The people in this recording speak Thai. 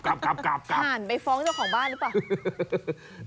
ผ่านไปฟ้องเจ้าของบ้านหรือเปล่า